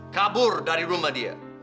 kabur dari rumah dia